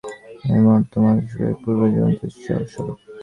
এই মহত্তম আচার্যগণ এই পৃথিবীতে জীবন্ত ঈশ্বরস্বরূপ।